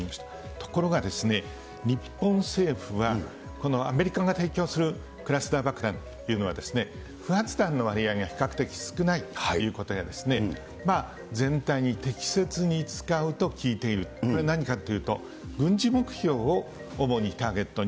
ところが日本政府は、このアメリカが提供するクラスター爆弾というのは、不発弾の割合が比較的少ないということが、まあ全体に適切に使うと聞いている、これ、何かっていうと、軍事目標を主にターゲットに。